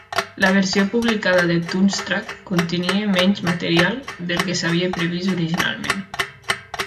La versió publicada de 'Toonstruck' contenia menys material del que s'havia previst originalment.